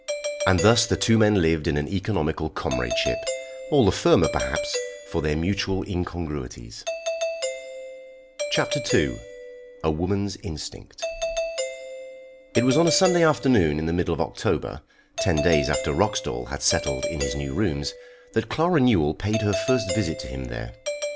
And thus the two men lived in an economical comradeship, all the firmer, perhaps, for their mutual incongruities. [Illustration: "FOR HIS SHAVING WATER."] CHAPTER II. A WOMAN'S INSTINCT. It was on a Sunday afternoon in the middle of October, ten days after Roxdal had settled in his new rooms, that Clara Newell paid her first visit to him there.